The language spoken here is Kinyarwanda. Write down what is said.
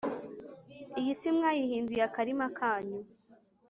iyi si mwayihinduye akarima kanyu,